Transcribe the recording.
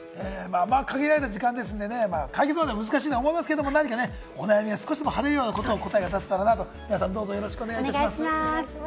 限られた時間ですのでね、解決までは難しいと思いますけど、何かお悩みが少しでも晴れるような答えが出せたらなと、どうぞよろしくお願いします。